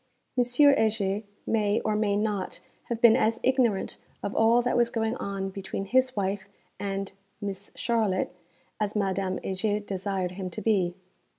M. Heger may, or may not, have been as ignorant of all that was going on between his wife and 'Mees Charlotte' as Madame Heger desired him to be.